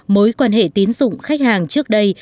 mối quan hệ tín dụng khách hàng trước đây